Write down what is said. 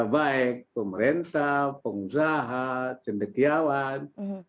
baik pemerintah pengusaha cendekiawan